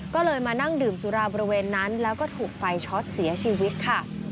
ก็เลยมานั่งดื่มสุราบริเวณนั้นแล้วก็ถูกไฟช็อตเสียชีวิตค่ะ